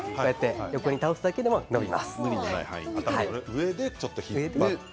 横に倒すだけで伸びます。